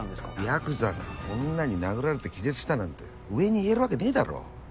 ヤクザが女に殴られて気絶したなんて上に言えるわけねぇだろ。